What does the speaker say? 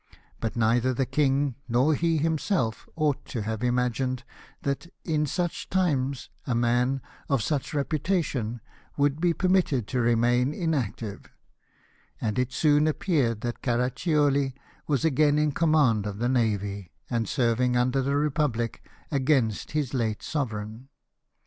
But neither the king, nor he himself, ought to have imagined that, in such times, a man of such reputation would be permitted to remain inactive ; and it soon appeared that Caraccioli was again in command of the navy, and serving under the republic against his late sovereign.